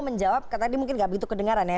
menjawab tadi mungkin nggak begitu kedengaran ya